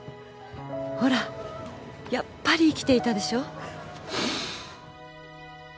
「ほらやっぱり生きていたでしょ」